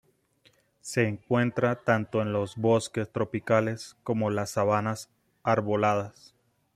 Se encuentra tanto en los bosques tropicales como las sabanas arboladas.